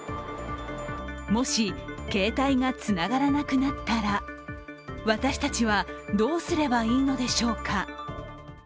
もし携帯がつながらなくなったら私たちは、どうすればいいのでしょうか。